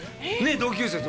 同級生で。